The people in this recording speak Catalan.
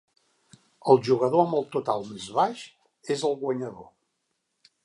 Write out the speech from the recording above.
El jugador amb el total més baix és el guanyador.